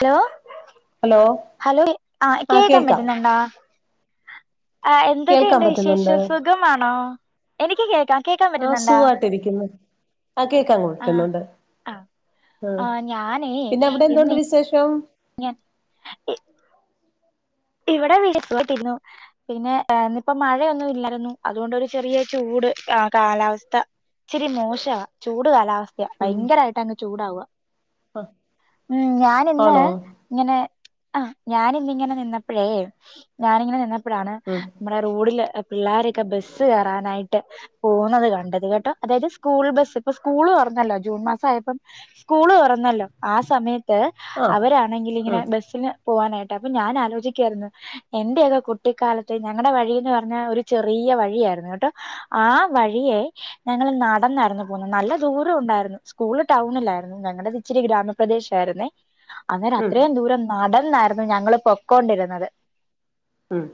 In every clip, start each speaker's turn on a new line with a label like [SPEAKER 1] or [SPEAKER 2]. [SPEAKER 1] Hello
[SPEAKER 2] hello
[SPEAKER 1] hello ആ കേക്കാൻ പറ്റുന്നുണ്ടോ? ആ
[SPEAKER 2] കേൾക്കാൻ
[SPEAKER 1] എന്തൊക്കെയുണ്ട്
[SPEAKER 2] പറ്റുന്നുണ്ട്
[SPEAKER 1] വിശേഷം. സുഖമാണോ? എനിക്ക് കേകാം.
[SPEAKER 2] ആഹ് സുഖായിട്ടിരിക്ന്ന്. ആ കേക്കാൻ
[SPEAKER 1] ആ
[SPEAKER 2] കൊട്ടുന്നുണ്ട്.
[SPEAKER 1] ആ
[SPEAKER 2] ആ പിന്നെ അവിടെ എന്തുണ്ട് വിശേഷം?
[SPEAKER 1] ഞൻ ഇ ഇവിടെ [unintelligible] പിന്നെ ഇന്നിപ്പോ മഴയൊന്നും ഇല്ലായിരുന്നു. അതുകൊണ്ടൊരു ചെറിയ ചൂട് ആഹ് കാലാവസ്ഥ, ഇച്ചിരി മോശവാ. ചൂട് കാലാവസ് ത്ത.
[SPEAKER 2] ഉം
[SPEAKER 1] ഭയങ്കരായിട്ട് അങ്ങ് ചൂടാവ്വാ
[SPEAKER 2] ആ
[SPEAKER 1] ഉം ഞാനിന്ന്
[SPEAKER 2] ആണോ
[SPEAKER 1] ഇങ്ങനെ ആ ഞാനിന്നിങ്ങനെ നിന്ന പ്പഴേ ഞാനിങ്ങനെ നിന്ന പ്പഴാണ്
[SPEAKER 2] ഉം
[SPEAKER 1] നമ്മുടെ റോഡില് പിള്ളോരൊക്കെ ബസ്സ് കയറാനായിട്ട് പോവ്ന്നത്കണ്ടത് കെട്ടോ അതായത് സ്കൂൾ ബസ്സ് ഇപ്പസ്കൂള് തുറന്നല്ലോ ജൂൺ മാസം ആയപ്പം സ്കൂള് തുറന്നല്ലോ ആ സമയ ത്ത്
[SPEAKER 2] ആ
[SPEAKER 1] അവരാണെങ്കിൽ ഇങ്ങനെ
[SPEAKER 2] ഉം
[SPEAKER 1] ബസ്സിന് പോവാനായിട്ട് അപം ഞാൻലോചിക്ക ക്കാരുന്നു എന്റെയൊക്കെ കുട്ടിക്കാലത്ത് ഞങ്ങടെ വഴിന്ന് പറഞ്ഞ ഒരു ചെറിയ വഴിയായിരുന്നുകേട്ടോ ആ വഴിയെ ഞങ്ങള് നടന്നായിരുന്നുപോന്നത് നല്ലദൂരം ഉണ്ടായിരുന്നു സ്കൂള് ടൗണിലായിരുന്നു ഞങ്ങളുടെ ഇച്ചിരി ഗ്രാമപ്രദേശ ആരുന്നേ അന്നേരം
[SPEAKER 2] ഉം
[SPEAKER 1] അത്രയും ദൂരം നട ന്നാര്ന്നു ഞങ്ങൾ പൊക്കൊണ്ടിരുന്നത് ന്നതെ
[SPEAKER 2] ഉം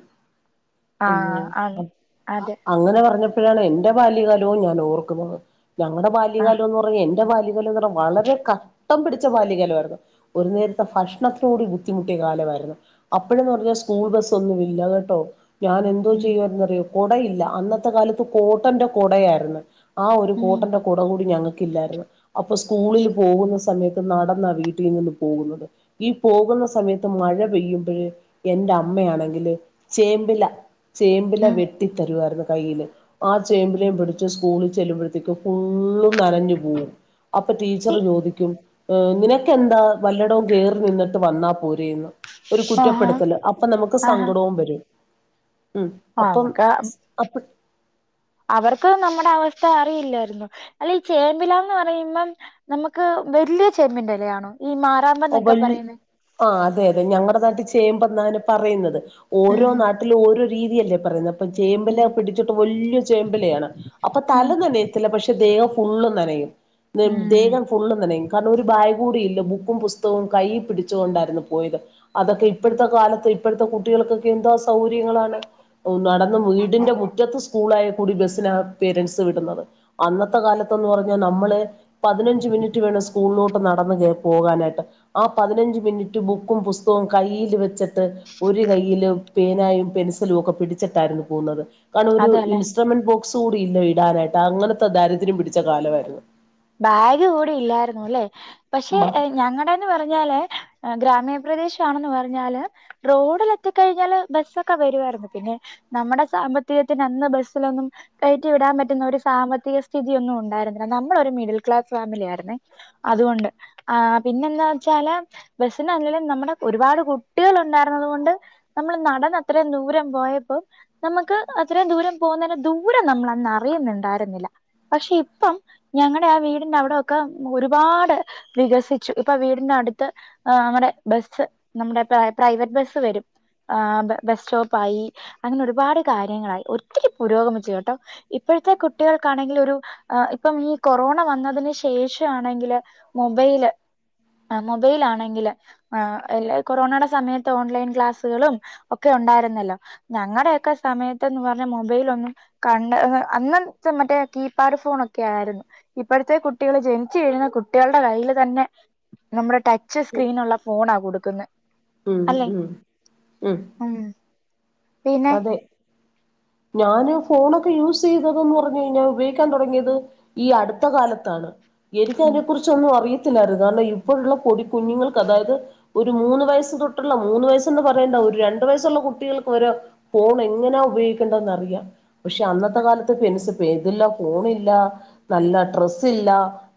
[SPEAKER 2] അയ്യോ
[SPEAKER 1] ആഹ് അതെ
[SPEAKER 2] അങ്ങനെ പറഞ്ഞ പ്പഴാണ് എന്റെ ബാല്യകാലോം ഞാൻ ഓർക്കുന്നത് ഞങ്ങടെ
[SPEAKER 1] ആഹ്
[SPEAKER 2] ബാല്യകാലം എന്ന് പറഞ്ഞ എന്റെ ബാല്യകാലം എന്ന് പറഞ്ഞ വളരെ ക ട്ടം പിടിച്ച ബാല്യകാലമായിരുന്നു ഒരു നേരത്തെ ഭക്ഷണത്തൂടി ബുദ്ധിമുട്ടിയ കാലമാരുന്നു അപ്പഴ്ന്ന് പറഞ്ഞാൽ സ്കൂൾ ബസ് ഒന്നുമില്ല കെട്ടോ ഞാൻ എന്തോ
[SPEAKER 1] ഉം
[SPEAKER 2] ചെയ്യുവായ്രുന്നു അറിയോ കുടയില്ല അന്നത്തെ കാലത്ത് കോട്ടന്റെ കുടയാര്ന്ന് ആ ഒരു
[SPEAKER 1] ഉം
[SPEAKER 2] കോട്ടന്റെ കുട കൂടി ഞങ്ങൾക്ക് ക്കില്ലാരുന്ന് അപ്പോ സ്കൂളിൽ പോകുന്ന സമയത്ത് നടന്നാ വീട്ടിൽ നിന്ന് പോകുന്നത് ഈ പോകുന്ന സമയത്ത് മഴ പെയ്യുമ്പഴ് എന്റെ അമ്മയാണ് ങ്കില് ചേമ്പില ചേമ്പില
[SPEAKER 1] ഉം
[SPEAKER 2] വെട്ടിത്തരുവാരുന്ന് കയ്യില് ആ ചേമ്പിലയും പിടിച്ചു സ്കൂളി ചെല്ലുമ്പോഴ്ത്തേക്കും ഫുള്ളു നനഞ്ഞു പോവും അപ്പൊ
[SPEAKER 1] ഇ
[SPEAKER 2] ടീച്ചറ് ചോദിക്കും ഏ നിനക്കെന്താ വല്ലടവും കേറി നിന്നിട്ട് വന്നാ പോരേന്ന് ഒരു
[SPEAKER 1] ആഹാ
[SPEAKER 2] കുറ്റപ്പെടുത്തല് അപ്പൊ നമു സങ്കടോം വരും
[SPEAKER 1] ആ
[SPEAKER 2] അപ്പം
[SPEAKER 1] അതൊക്കെ
[SPEAKER 2] അപ്പ
[SPEAKER 1] അവർക്ക് നമ്മ ട അവസ്ഥ അറിയില്ലാരുന്നു അല്ലേ ഈ ചേമ്പിലാന്ന് പറയുമ്പം നമുക്ക് വല്യയ ചേമ്പിന്റെ ഇലയാണോ ഈ മാറാമ്പന്നൊക്കെ
[SPEAKER 2] [unintelligible]
[SPEAKER 1] പറയുന്നെ
[SPEAKER 2] ആ അതെ അതെ ഞങ്ങടെ നാട്ടിൽ ചേമ്പെന്ന അയ്ന് പറയുന്നത് ഓരോ
[SPEAKER 1] ഉം
[SPEAKER 2] നാട്ടിലും ഓരോ രീതിയല്ലേ പറയുന്ന അപ്പൊ ചേമ്പില
[SPEAKER 1] ഉം
[SPEAKER 2] പിടിച്ചിട്ട് വല്ല്യ ചേമ്പിലയാണ് അപ്പൊ തല
[SPEAKER 1] ഉം
[SPEAKER 2] നനയത്തില്ല പക്ഷേ ദേഹം ഫുള്ളും നനയും
[SPEAKER 1] ഉം
[SPEAKER 2] ദേഹം ഫുള്ളും നനയും കാരണം ഒരു ബാഗൂടി ഇല്ല ബുക്കും പുസ് തവും കൈ പിടിച്ചുകൊണ്ടാരുന്നു പോയ്ത് അതൊക്കെ ഇപ്പോഴത്തെ കാലത്ത് ഇപ്പോഴ്ത്തെ കുട്ടികൾക്കൊക്കെ എന്താ സൗകര്യങ്ങളാണ് നടന്ന് വീടിന്റെ മുറ്റത്ത് സ്കൂളായ കൂടി ബസ്സിനാ പേരന്റ്സ് വിടുന്നത് അന്നത്തെ കാലത്തെന്ന് പറഞ്ഞ നമ്മള് പതിനഞ്ച് മിനിറ്റ് വേണം സ്കൂളിലോ നടന്ന് കേറി പോകാനായിട്ട് ആ പതിനഞ്ച് മിനിറ്റ് ബുക്കും പുസ്തകവും കയ്യിൽ വെച്ചിട്ട് ഒരു കൈയില് പേനായും പെൻസിലും ഒക്കെ പിടിച്ചിട്ടായിരുന്നു പോകുന്നത് കാരണം ഒരു
[SPEAKER 1] അതെല്ലേ
[SPEAKER 2] ഇൻസട്രമെന്റ് ബോ സൂടി ഇല്ല ഇടാനായിട്ട് അങ്ങനത്തെ ദാരിദ്ര്യം പിടിച്ച കാലമാരുന്നു
[SPEAKER 1] ബാഗ് കൂടി ഇല്ലായിരുന്നു ലേ പക്ഷേ
[SPEAKER 2] ബാ
[SPEAKER 1] ഞങ്ങടെന്ന് പറഞ്ഞാല് ആ ഗ്ര മീണ പ്രദേശാണന്ന് പറഞ്ഞാല് റോഡ് ല് എന്തികയിഞ്ഞാല് ബസ്സൊകെ വരുവായിരുന്നു പിന്നെ നമ്മുടെ സാമ്പത്തികത്തിന് അന്ന് ബസ്സിലെന്നും കയറ്റിവിടാൻ പറ്റുന്ന ഒര് സാമ്പത്തിക സ്ഥിതി ഒന്നും ണ്ടായിരുന്നില്ല ന മ്മളെരു മിഡിൽക്ലാസ് ഫേമിലിയായിരുന്നേ അതുകൊണ്ട് ആ പിന്നെന്താ ച്ചാല് ബസ്സിന് ല്ലെലും ഒരു പാട് കുട്ടികള് ണ്ടായിരുന്നത് കൊണ്ട് നമ്മള് നടന്ന് അത്ര ദൂരം പോയപ്പോ നമ്മക്ക് അത്ര ദൂരം പോകുന്നതിന്റെ ദൂരം നമ്മളന്ന് റിയുന്ന് ണ്ടായിരുന്നില്ല പക്ഷേ ഇപ്പം ഞങ്ങടെ വീടിന്റെ അവിടെയൊക്കെ ഒരുപാട് വികസിച്ചു ഇപ്പം വീടിന്റെടുത്ത് ആ അങ്ങനെ ബസ്സ് നമ്മടെ പാ പ്രൈവറ്റ് ബസ്സ് വരും ആ ബസ്റ്റോപ്പ് ആയി അങ്ങനെ ഒരുപാട് കാര്യങ്ങൾ ആയി ഒത്തിരി പുരോഗമിച്ചു കേട്ടോ ഇപ്പോഴത്തെ കുട്ടികൾക്കാണെങ്കിൽ ഒര് ഇപ്പം മി ഫോണ് വന്നത്‌ന് ശേഷം ആണെങ്കില് മൊബൈല് ആ മൊബൈലാണക്കില് ആ ല്ലാ കൊറോണേടെ സമയത്ത് ഓൺ ലൈൻ ക്ലാസുകളും ഒക്കെ ഉണ്ടായിരുന്നല്ലോ ഞങ്ങടെ കെ സമയത്ത് ന്ന് പറഞ്ഞാമൈ ബയ് ലെന്നും കണ്ണ് അന്ന് മറ്റേ കീ പാഡ് ഫോണെക്കെയിരുന്നു ഇപ്പഴത്തെ കുട്ടികൾ ജനിച്ചു കുട്ടികളുടെ കയ്യിൽ തന്നെ നമ്മുടെ ടച്ച് സ്ക്രീനുള്ള ഫോണ കൊടുക് ക്ന്നേ
[SPEAKER 2] ഉം ഉം ഉം
[SPEAKER 1] പിന്നെ
[SPEAKER 2] അതെ ഞാൻ ഫോണൊക്കെ യൂസ് ചൈതന്ന് പറഞ്ഞ് കയിഞ്ഞാൽ ഉപയോഗിക്കാൻതുടങ്ങിയത് ഈ അടുത്തകാലത്താണ് എനിക്ക്
[SPEAKER 1] ഉം
[SPEAKER 2] അതിനെ കുറിച്ച് ഒന്നും അറി ത്തില്ലായിരുന്നു അന്ന് ഇപ്പോ യുള്ള പൊടികുഞ്ഞുങ്ങൾക്ക് അതായത് ഒര് മൂന്ന് വയസ് തൊട്ട്ള്ള മൂന്ന് വയസ്സ് ന്ന് പറയണ്ടാ ഒര് രണ്ട് വയസ്സുള്ള കുട്ടികൾക്ക് വരെ ഫോണ് ങ്ങനെ ഉപയോഗി ക്കണ്ടന്ന് അറിയാം പക്ഷേ അന്നത്തെ കാലത്ത് പെൻസിപ്പ്ഫോണില്ല നല്ല ഡ്രസ്സ് ഇല്ല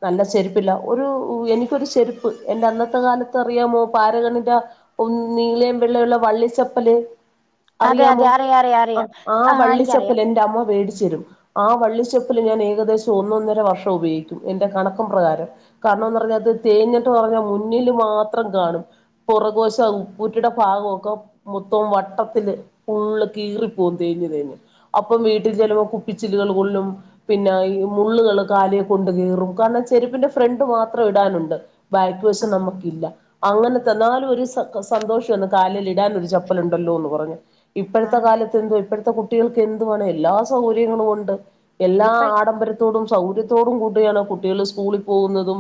[SPEAKER 2] നല്ല ചെരുപ്പ് ല്ല ഒര് എനിക്കെരു ചെര്പ്പ്എന്റെ അന്നത്തെ കാലത്ത് റിയാമോ പാരഗണിന്റ നീലേ വെള്ളേ ള്ള വള്ളി ചപ്പല്
[SPEAKER 1] അതെ അതെ അറിയാ അറിയാ റിയാ
[SPEAKER 2] ആ വള്ളി ചപ്പല് എന്റെ അമ്മ വേടിച്ച് തരും ആ വള്ളി ചപ്പല്ഞാൻഏകദേശം ഒന്നൊന്നര വർഷം ഉപയോഗിക്കും എന്റെ കണക്ക് പ്രകാരം കാരണം ന്ന് പറഞ്ഞാൽ ഇത് തേഞ്ഞിട്ട് പറഞ്ഞാ മുന്നിൽ മാത്രം കാണും പുറകുവശം ആ ഉപ്പുറ്റിയുടെ ഭാഗം ക്കെ മൊത്തം വട്ടത്തില് ഫുള്ള് കീറി പോയി തേഞ്ഞ് തേഞ്ഞ് അപ്പം വീട്ടി ചെല്ലു പ്പോ കുപ്പി ചില്ലുകള് കൊള്ളും പിന്നെ ഈ മുള്ള് കള് കലേകൊണ്ട് കീറും കാരണം ചെരുപ്പിന്റെ ഫ്രണ്ട് മാത്രം ഇടാന്ണ്ട് ബേക്ക്
[SPEAKER 1] ആ
[SPEAKER 2] വശം നമ്മക്കില്ല അങ്ങനെ തന്നാലെരു സ സന്തോഷേ ന്നുകാലിലിടാൻ ഒര് ചപ്പല് ണ്ടല്ലോന്ന് പറഞ്ഞ് ഇപ്പോഴത്തെ
[SPEAKER 1] ആണ്
[SPEAKER 2] കാലത്ത് എന്ത് ഇപ്പഴത്തെ കുട്ടികൾക്ക് എന്തുവാണ്എല്ലാ സൗകര്യങ്ങളുമുണ്ട് എല്ലാ
[SPEAKER 1] ഇപ്പഴ
[SPEAKER 2] ആഡംബരത്തോടും സൗകര്യ ത്തോടും കൂടിയാണ് കുട്ടികൾ സ്കൂളിൽ പോക്കുന്നതു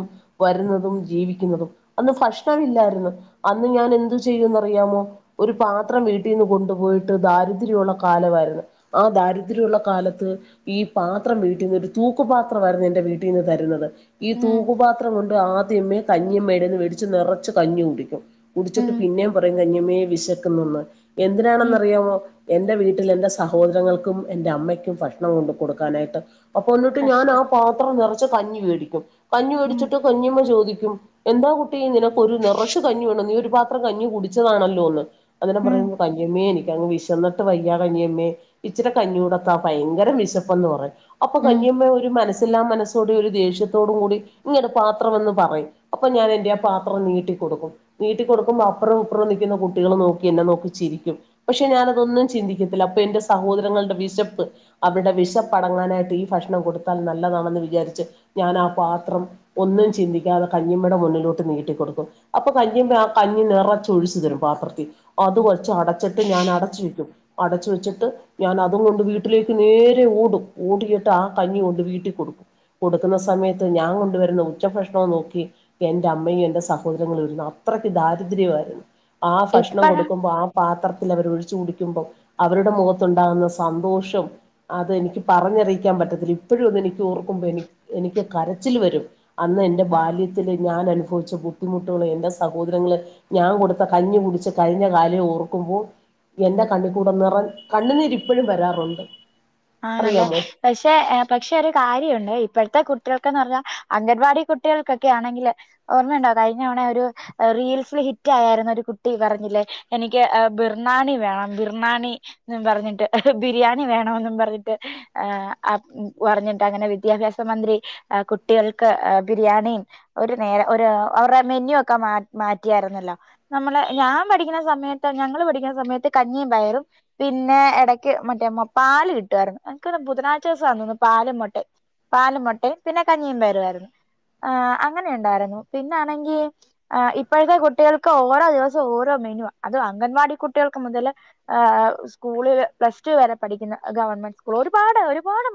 [SPEAKER 2] വരുന്നതും ജീവിക്കുന്നതും അന്ന് ഭക്ഷ ണ്ണംഇല്ലായിരുന്നു അന്ന് ഞാൻ എന്തു ചെയ്യും ന്നറിയാമോ ഒരു പാത്രം വീട്ടീന്ന്കൊണ്ടുപോയിട്ട് ദാരിദ്ര ള്ള കാലമായിരുന്നു ആദാരിദ്രള്ള കാലത്ത് ഈ പാത്രം വീട്ടീന്ന് തൂക്കുപാത്രം മായിരുന്നു എന്റെ വീട്ടീന്ന്തരുന്നത് ഈ
[SPEAKER 1] ഉം
[SPEAKER 2] തുക്കു പാത്രം കൊണ്ട്ആദ്യമേ കഞ്ഞി എടെന്ന് മേടിച്ച് നിറച്ച് കഞ്ഞികുടിക്കും കുടിച്ചിട്ട്
[SPEAKER 1] ഉം
[SPEAKER 2] പിന്നെ പറയും കഞ്ഞി അമ്മേ വിശക്ക് ക്ക് ന്നന്ന് എന്തിനാണെന്ന്
[SPEAKER 1] ഉം
[SPEAKER 2] അറിയാമോ എ ന്റെ വീ ട്ട് ല് എന്റെസഹോദരങ്ങൾക്കും എന്റെ അമ്മയ്ക്കും ഭക്ഷണം കൊണ്ട് കൊടുക്കാൻ ആയിട്ട് അപ്പോന്നിട്ട് ഞാൻ ആ
[SPEAKER 1] കഷ്ടം
[SPEAKER 2] പാത്രം നെറച്ച് കഞ്ഞി വേടിക്കും കഞ്ഞി
[SPEAKER 1] ഉം
[SPEAKER 2] വേടിച്ചിട്ട് കഞ്ഞീമ്മ ചോദിക്കു ക്കും എന്താ കുട്ടീ നിന ക്കൊരുനെറച്ച് കഞ്ഞി വേണോ നീയൊരു പാത്രം കഞ്ഞി കുടിച്ചതാണല്ലോന്ന്
[SPEAKER 1] ഉം
[SPEAKER 2] അതിനെപറയ്ന്ന് കഞ്ഞിയമ്മേനിക് ക്കാണെ വിശന്നിട്ട് വയ്യ ഞാകഞ്ഞിഅമ്മേ ഇച്ചിരെ കഞ്ഞൂടെത്താ ഭയങ്കരം വിശപ്പന്നു പറഞ്ഞു അപ്പോ
[SPEAKER 1] ഉം
[SPEAKER 2] കഞ്ഞിഅമ്മ ഒരു മനസ്സില്ലാ മനസ്സ് സ്സോടി ഒരു ദേഷ്യത്തോടും കൂടി ഇങ്ങെട് പാത്രമെന്നുപറയും അപ്പൊ ഞാനെൻ്റെയാ പാത്രം നീട്ടിക്കൊടുക്കും നീട്ടിക്കൊടുക്കുമ്പംൺ അപ്രോം ഇപ്രോം നിക്കുന്ന കുട് ട്ടിയള് നോക്കി എന്നെ നോക്കി ചിരിക്കും പഷേ ഞാനതൊന്നും ചിന്തി ത്തില്ല അപ്പെൻ്റെ സഹോദരങ്ങൾടെ വിശപ്പ് അവൾടെ വിശപ്പടങ്ങാനായിട്ട് ഈ ഭഷ്ണം കൊടുത്താൽ നല്ലതാണെന്നു വിചാരിച് ഞാനാ പാത്രം ഒന്നും ചിന്തിക്കാതെ കഞ്ഞിമ്മേടെ മുന്നിലോട്ട് നീട്ടിക്കൊടുക്കും അപ്പോ കഞ്ഞിമ്മ്യാ കഞ്ഞിനെറച്ചൊഴിച്ച്തരും പാത്രത്തീ അത്കൊഴ്ച്ചടച്ചിട്ട് ഞാനാടച്ചെക്കും ടച്ചുവെച്ചിട്ട് ഞാനതുംകൊണ്ട് വീട്ടിലേക്ക്നേരെഓടും ഓടയിട്ടാ കഞ്ഞികൊണ്ട് വീട്ടി കൊടുക്കും കൊടുക്കുന്ന സമയത്ത് ഞാൻ കൊണ്ടുവരുന്ന ഉച്ചഭഷ്ണോം നോക്കി എൻ്റെ അമ്മയും എൻ്റെ സഹോദരങ്ങളുംഇരുന്ന് അത്രക്ക് ദാര് ദ്ര്യവാരുന്നു ആ ഭഷ്ണം
[SPEAKER 1] ഇപ്പഴാ
[SPEAKER 2] കൊടുക്കുമ്പോൾ ആ പാത്ര ത്തിലവരൊഴിച്ച് കുടിക്കുമ്പൊ അവര്ടെ മൊഖത്തൊണ്ടാകുന്ന സന്തോഷം അതെനിക്ക് പറഞ്ഞറിയിക്കാൻ പറ്റത്തില്ല ഇപ്പഴുവതെനിക്കോർക്കുമ്പോ എനി എനിക്ക് കരച്ചില് വരും അന്നെൻ്റെ
[SPEAKER 1] ആ
[SPEAKER 2] ബാല്യത്തില് ഞാനനു ഭല്ച്ച എൻ്റെ ബുദ്ധിമുട്ടുകളും എൻ്റെ സഹോദരങ്ങള് ഞാങ്കൊടുത്ത കഞ്ഞി കുടിച്ച് കഴിഞ്ഞകാല്യോർക്കുമ്പോ എൻ്റെ കണ്ണ് കൂടെ നെറ കണ്ണ്നീരിപ്പഴും വരാറുണ്ട്
[SPEAKER 1] ആണല്ലേ
[SPEAKER 2] അറിയാമോ
[SPEAKER 1] പഷേ പക്ഷേ ഒരു കാര്യവൊണ്ടേ ഇപ്പഴ്ത്തെ കുട് ട്ടികൾക്കെന്നു പറഞ്ഞാ അങ്കൻവാടി കുട്ടികൾക്കൊക്കെ ആണെങ്കില് ഓർമ്മയൊണ്ടോ കഴിഞ്ഞതവണ ഒരു റീൽസില് ഹിറ്റായാരുന്നൊരു കുട്ടി പറഞ്ഞില്ലേ എനിക്ക് ബിർണാണി വേണം ബിർണാണി ന്നും പറഞ്ഞിട്ട് ഹ് ബിരിയാണിവേണവെന്നും പറ പതുക്കെ ഹ് ആ ആംഉം വറഞ്ഞുംറ്റാങ്ങനെ വിദ്യാഭ്യാസമന്ദ്രി ആ കുട്ടികൾക്ക് ബിരിയാണി ഒരു നേരം ഒര് ആ അവർടെ മെനുഒക്കെമാ മാറ്റിയാര്ന്നല്ലോ നമ്മളെ ഞാമ്പടിക്കുന്ന സമയത്ത് ഞങ്ങള് പഠിക്കുന്ന സമയത്ത് കഞ്ഞീം പയറും പിന്നേ എടക്ക് മറ്റേ മൊ പാല് കിട് ട്ടുവാരുന്നു എൻക്ന് ബുധനാഴ്ച്ചോസം ആന്തോന്നു പാലുംമൊട്ടേം പാലുംമൊട്ടേം പിന്നെ കഞ്ഞീം പയറുവാര്ന്ന് ആ അങ്ങനെഎണ്ടാരുന്നു പിന്നാണെങ്കീ ആ ഇപ്പഴ്ത്തെ കുട്ടികൾക്കോരോ ദിവസവു ഓരോ മെനുവാ അതുഅങ്കൻവാടികുട്ടികൾക്കുമുതല് ആആ സ്കൂളില് പ്ലസ്സ്ടുവരെ പഠിക്കുന്ന ഗവൺമെൻ്റ്സ്കൂൾ ഒരുപാട് ഒരുപാട്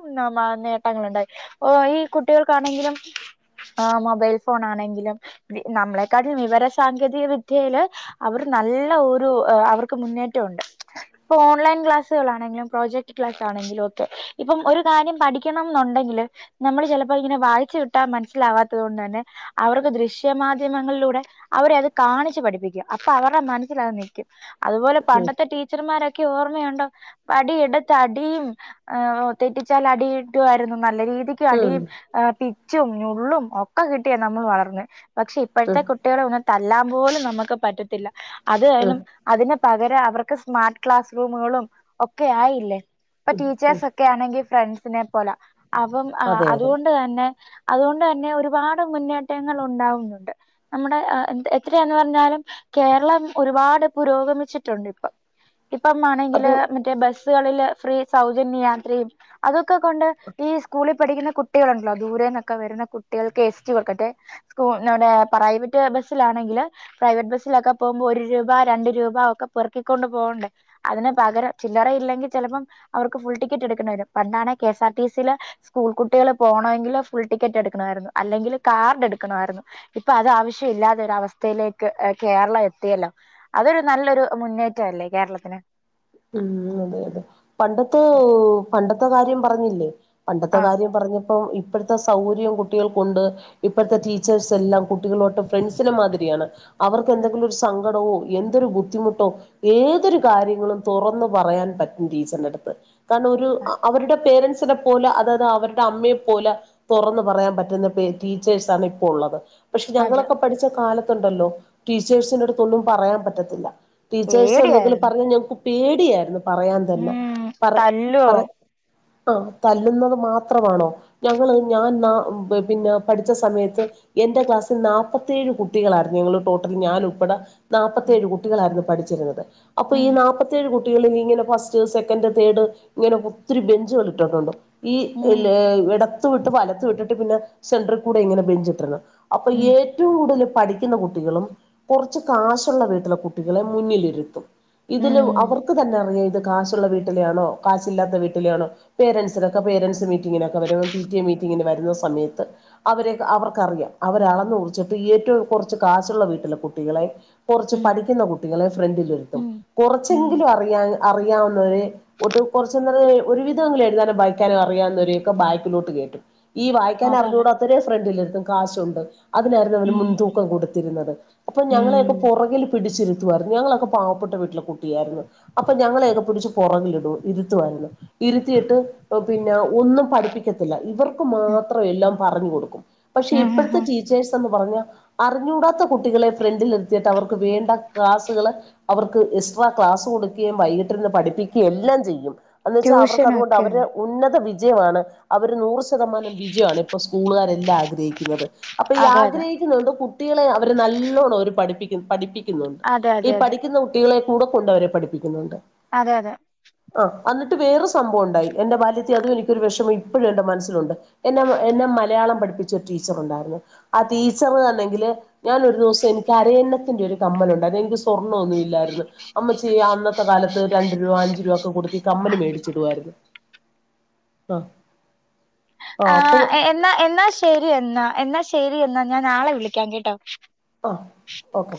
[SPEAKER 1] നേട്ടങ്ങളൊണ്ടായി പോ ഈകുട്ടികൾക്കാണെങ്കിലും ആ മൊബൈൽഫോണാണെങ്കിലും നമ്മളെ കാട്ടിലും വിവരസാങ്കേതിക വിദ്യയില് അവര് നല്ല ഒരു അവർക്ക് മുന്നേറ്റമുണ്ട് ഇപ്പോ ഓൺലൈൻ ക്ലാസ്സുകളാണെങ്കിലും പ്രൊ- റ്റ്വൽത്താണെ [unintelligible] ങ്കിലുഒക്കെ ഇപ്പം ഒരു കാര്യം പഠിക്കണംന്നൊണ്ടെങ്കില് നമ്മള് ചെലപ്പം ഇങ്ങനെ വായിച് വിട്- ട്ടാ മനസ്സിലാവാത്തതുകൊണ്ടാണ് അവർക്ക് ദ്യശ്യമാധ്യമങ്ങളിലൂടെ- അവരെ അത് കാണിച്ച് പഠിപ്പിക്കും അപ്പം മനസ്സിലത് നിയ്ക്കും അതുപോലെ
[SPEAKER 2] ഉം
[SPEAKER 1] പണ്ടത്തെ ടീച്ചറമാരൊക്കെ ഓർമയൊണ്ടോ വടി എടു- അടിം ആഹ്ഒ തെറ്റിച്ചാലടീയ്ക്കുവാര്ന്ന് നല്ല രീതീക്ക്
[SPEAKER 2] ഉം
[SPEAKER 1] അടീം ആഹ് പി- പിച്ചും ഞുള്ളും ഒക്കെക്കിട്ടിയാ നമ്മള് വളർന്നെ പക്ഷേ
[SPEAKER 2] ഉം
[SPEAKER 1] ഇപ്പോഴത്തെ കുട്ടികളെ ഒന്ന് തൽ- ല്ലാമ്പോലും നമുക്ക് പറ്റത്തില്ല അത്
[SPEAKER 2] ഉം
[SPEAKER 1] അയലും അതിനെ- പകരം അവർക്ക് സ്മാർട്ട് ക്ലാസ് റൂമുകളും ഒക്കെ ആയില്ലേ ഇപ്പൊ
[SPEAKER 2] ഉം
[SPEAKER 1] ടീച്ചേഴ്സ് ഒക്കെയാണെങ്കിൽ ഫ്രണ്ട്സ് സിനെ പോലാ അപ്പം
[SPEAKER 2] അതെ അതെ
[SPEAKER 1] അതുകൊണ്ട് തന്നെ- അതുകൊണ്ട് തന്നെ ഒരുപാട് മുന്നേറ്റങ്ങൾ ഉണ്ടാവുന്നുണ്ട് നമ്മുടെ എ എത്രന്ന് പറഞ്ഞാലും കേരളം ഒരുപാട് പുരോഗമിച്ചിട്ടുണ്ട് ഇപ്പം ഇപ്പം മാണെങ്കില്
[SPEAKER 2] അത്
[SPEAKER 1] മറ്റേ ബസ് ബസുകളില് ഫ്രീ സൗജന്യ യാത്രയും അത് ക്ക കൊണ്ട് ഈ സ്കൂളിൽ പഠിക്കുന്ന കുട്ട് കുട്ടികളുണ്ടല്ലോ ദൂരന്നൊക്കെ വരുന്ന കുട്ടികൾക്ക് എസ് ടി വക്കട്ടെ സ്കൂ നൊണെ പ്രൈവറ്റ് ബസ്സിലാണെങ്കില് പ്രൈവറ്റ് ബസ്സിലൊക്കെ പോകുമ്പോ ഒരു രൂപ രണ്ട് രൂപ ഒക്കെ പെർക്കിക്കൊണ്ട് പോകണ്ടേ അതിന് പകരം ചില്ലറ ഇല്ലെങ്കി ചെലപ്പം അവർക്ക് ഫുൾ ടിക്കറ്റ് എടുക്കണ വരും പണ്ടാണേ കെ എസ് ആർടി സിൽ സ്കൂൾ കുട്ടികള് പോകണമെങ്കില് ഫുൾ ടിക്കറ്റ് എടുക്കണമായിരുന്നു അല്ലെങ്കിൽ കാർഡ് എടുക്കണമായിരുന്നു ഇപ്പൊ അത് ആവശ്യം ഇല്ലാതെ ഒര അവസ്ഥയിലേക്ക് കേരളം എത്തിയല്ലോ അതൊരു നല്ലൊരു മുന്നേറ്റ അല്ലേ കേരളത്തിന്
[SPEAKER 2] ഉം അതെ അതെ പണ്ടത്തെ പണ്ട ഇപ്പൊ കാര്യം പറഞ്ഞില്ലേ പണ്ടത്തെ
[SPEAKER 1] ആഹ്
[SPEAKER 2] കാര്യം പറഞ്ഞപ്പോ ഇപ്പ് പ്പത്തെ സൗകര്യം കുട്ടികൾക്കുണ്ട് ഇപ്പോത്തെ ടീച്ചേർസ് എല്ലാം കുട്ടികളുആട്ട് ഫ്രണ്ട്സിന് മാതിരിയാണ് അവർക്ക് എന്തെങ്കിലും സങ്കടമോ എന്തോരു ബുദ്ധിമുട്ടോ ഏതൊരു കാര്യങ്ങളും- തൊറന്ന് പറയാൻ പറ്റും ടീച്ചറിന്റെ അട്ത്ത്- കാരണം ഒരു അ അവരുടെ പേരെന്റ്സ്- ത്ത് തെ പോലെ അതാത് അവരുടെ അമ്മയെ പോലെ തൊറന്നു പറയാൻ പറ്റുന്ന ടീച്ചേർസ് ആണ് ഇപ്പോള്ളത്- പക്ഷെ
[SPEAKER 1] അതെ
[SPEAKER 2] ഞങ്ങളൊക്കെ പഠിച്ച കാല ത്ത് ഉണ്ടല്ലോ ടീച്ചേഷ്സിന്റെ അടുത്തൊന്നും പറയാം പറ്റത്തില്ല- ടീച്ചേഴ്സ് എന്തെങ്കിലും
[SPEAKER 1] പേടിയായിരുന്നു
[SPEAKER 2] പറഞ്ഞാൽ ഞാ ക്- പേടി യാരുന്നു- പറയാൻ തന്നെ
[SPEAKER 1] ഉം
[SPEAKER 2] പർ
[SPEAKER 1] തല്ലോ
[SPEAKER 2] പർ ഓ തല്ലുന്നതു മാത്രമാണോ ഞങ്ങള് ഞാ നാ ഹ് പിന്നെ പഠിച്ച സമയത്ത് എന്റെ ക്ലാസ്സിൽ നാൽപത്തിയേഴ് കുട്ടികളാര്ന്ന് ഞങ്ങള് ടോട്ടൽ ഞാനുൾപ്പെടെ
[SPEAKER 1] ഉം
[SPEAKER 2] നാപ്പത്തിയേഴ് കുട്ടികളായിരുന്നു പഠി ച്ചിരന്നത് അപ്പൊ ഈ
[SPEAKER 1] ഉം
[SPEAKER 2] നാൽപ്പ കുട്ടിക്കളിലിങ്ങനെ ഫസ്റ്റ് സെക്കന്റ്‌ തേഡ് ഇങ്ങനെ ഒത്തിരി ബെഞ്ചുകൾ ഇട്ടിട്ടുണ്ട് ഈ
[SPEAKER 1] ഉം
[SPEAKER 2] ഇല്‌ ഇടത്ത് വിട്ട് വലത്ത് വിട്ട് പിന്നെ സെൻട്രൽ കൂടെ ഇങ്ങനെ ബെഞ്ച് ഇട്ട്ണ്. അപ്പൊ
[SPEAKER 1] ഉം
[SPEAKER 2] ഏറ്റവും കൂടുതൽ പഠിക്കുന്ന കുട്ടികളും കുറച്ച് കാശുള്ള വീട്ടിലെ കുട്ടികളെ മുന്നിലിരുത്തും ഇതില് കാശുള്ള വീട്ടിലാണോ കാശില്ലാത്ത വീട്ടിലാണോ പേരൻസിനൊക്കെ പേരൻസ് മീറ്റിങ്ങിനൊക്കെ വരുമ്പോ പി ടി എ മീറ്റിങ്ങിന് വരുന്ന സമയത്ത് അവരെ അവർക്കറിയാം. അവരളന്നു കുറിച്ചിട്ട് ഏറ്റവും കുറച്ച് കാശുള്ള വീട്ടിലെ കുട്ടികളെ കുറച്ച്
[SPEAKER 1] ഉം
[SPEAKER 2] പഠിക്കുന്ന കുട്ടികളെ ഫ്രണ്ടിലിരുത്തും.
[SPEAKER 1] ഉം
[SPEAKER 2] കുറച്ച്
[SPEAKER 1] ഉം
[SPEAKER 2] എങ്കിലും അറിയാൻ അറി അറിയാവുന്നവരെ കുറച്ച നേര ഒരു വിധം എഴുതാനും വായിക്കാനും അറിയാവുന്നവരെ ഒക്കെ ബാക്കിലോട്ട് കേറ്റും ഈ വായിക്കാൻ
[SPEAKER 1] അതല്ലേ
[SPEAKER 2] അറിഞ്ഞുടാത്തൊരെ ഫ്രണ്ടിൽ ഇരുത്തും കാശുണ്ട് അതിനായിരുന്നു അവന്
[SPEAKER 1] ഉം
[SPEAKER 2] മുൻതൂക്കം കൊടുത്തിരുന്നത് അപ്പൊ
[SPEAKER 1] ഉം
[SPEAKER 2] ഞങ്ങളെയൊക്കെ പുറകിൽ പിടിച്ചി ഇതു ഞങ്ങളൊക്കെ പാവപ്പെട്ട വീട്ടിലെ കു ട്ടിയായിരുന്നു അപ്പൊ ഞങ്ങളേയൊക്കെ പിടിച്ച് പുറകിലിടു രുത്തുമായിരുന്നു ഇരുത്തിയിട്ട് പിന്നെ ഒന്നും പഠിപ്പിക്കത്തില്ല ഇവർക്ക് മാത്രമെല്ലാം പറഞ്ഞു കൊടുക്കും പക്ഷെ
[SPEAKER 1] ഉം
[SPEAKER 2] ഇപ്പോഴത്തെ
[SPEAKER 1] ഉം
[SPEAKER 2] ടീച്ചേഴ്സ് എന്ന് പറഞ്ഞ അറിഞ്ഞൂടാത്ത കുട്ടികളെ ഫ്രണ്ടിൽ നിർത്തിയിട്ട് അവർക്ക് വേണ്ട ക്ലാസ്സുകള് അവർക്ക് എക്സട്ര ക്ലാസ് കൊടുക്കുകയും വൈകിട്ട് ഇരുന്ന് പഠിപ്പിക്കുകയും എല്ലാം ചെയ്യും. എന്ന് വെച്ചാൽ അവർക്ക്
[SPEAKER 1] ട്യൂഷനും
[SPEAKER 2] അതുകൊണ്ട്
[SPEAKER 1] ഒക്കെ
[SPEAKER 2] അവര്
[SPEAKER 1] ഉണ്ട്
[SPEAKER 2] ഉന്നത വി ജയമാണ് അവര് നൂറ് ശതമാനം വിജയമാണ് ഇപ്പ സ്കൂളുകാരെല്ലാം ആഗ്രഹിക്കുന്നത്. അപ്പൊ ഈ
[SPEAKER 1] അതെ അതെ
[SPEAKER 2] ആഗ്രഹിക്കുന്നത്കൊണ്ട് കുട്ടികളെ അവരെ നല്ലോണം അവര് പഠിപ്പി പഠിപ്പി നുണ്ട്.
[SPEAKER 1] അതെ
[SPEAKER 2] ഈ
[SPEAKER 1] അതെ അതെ
[SPEAKER 2] പഠിക്കുന്ന കുട്ടികളെ കൂടെ കൊണ്ട് അവരെ പഠിപ്പിക്കുന്നുണ്ട്
[SPEAKER 1] അതെ അതെ
[SPEAKER 2] വേറൊ സംഭവം ഉണ്ടായി എന്റെ ബാല്യത്തിൽ അതും എനിക്കൊരു വിഷമം ഇപ്പോഴും എന്റെ മനസ്സിലുണ്ട്. എന്നെ എന്നെ മലയാളം പഠിപ്പിച്ച ഒരു ടീച്ചറുണ്ടായിരുന്നു. ആ ടീച്ചർ ആണെങ്കിൽ ഞാനൊരു ദിവസം എനിക്ക് അരയന്നത്തിന്റെ ഒരു കമ്മലുണ്ട് അന്നെനിക്ക് സ്‌ സ്വർണ്ണന്നുമില്ലായിരുന്നു അമ്മച്ചി അന്നത്തെ കാലത്ത് രണ്ട് രൂപ അഞ്ചു രൂപ ഒക്കെ കൊടുത്ത് ഈ കമ്മല് മേടിച്ചിടുവായിരുന്നു. ആ
[SPEAKER 1] ആ എ എന്നാ എന്നാ ശരി എന്നാ എന്നാ ശ ശരി എന്നാ ഞാൻ നാളെ വിളിക്കാൻ കെട്ടോ
[SPEAKER 2] ഒ ഓക്കെ